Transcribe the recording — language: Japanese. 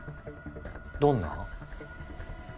どんな？